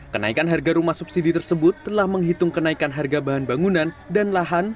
kenaikan harga rumah subsidi tersebut telah menghitung kenaikan harga bahan bangunan dan lahan